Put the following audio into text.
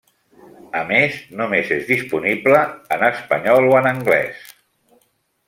A més, només és disponible en espanyol o en anglès.